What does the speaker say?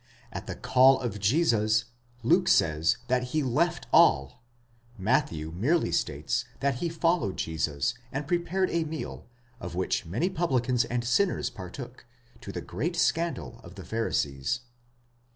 At the call of Jesus, Luke says that he left all; Matthew merely states, that he followed Jesus and prepared a meal, of which many publicans and sinners partook, to the great scandal of the Pharisees.